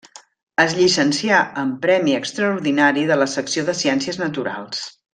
Es llicencià amb premi extraordinari de la secció de ciències naturals.